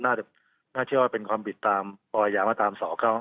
น่าเชื่อว่าเป็นความผิดตามปรยามาตรา๒๙